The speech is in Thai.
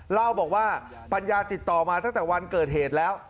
เล่าบอกว่าปัญญาติดต่อมาตั้งแต่วันเกิดเหตุแล้ว